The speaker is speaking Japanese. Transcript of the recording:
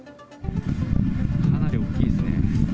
かなり大きいですね。